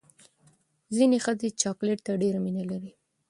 ځینې ښځې چاکلیټ ته ډېره مینه لري.